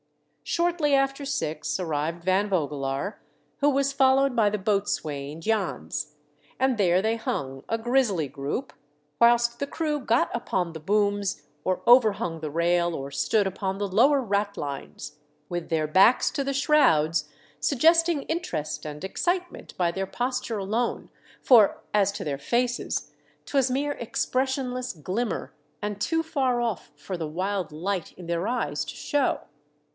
Shortly after six, arrived Van Vogelaar, who was followed by the boatswain, Jans ; and there they hung, a grisly group, whilst the crew got upon the booms, or overhung the rail, or stood upon the lower ratlines, with their backs to the shrouds, suggesting interest and excitement by their posture alone, for, as to their faces, 'twas mere expressionless glim mer and too far off for the wild light in their eyes to show.